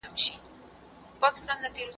د اولادونو د پالني ستړيا د چا پر غاړه ده؟